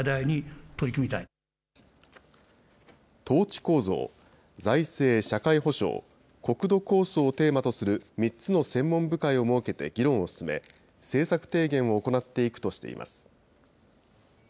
統治構造、財政・社会保障、国土構想をテーマとする３つの専門部会を設けて議論を進め、政策提言を行っていくとしています。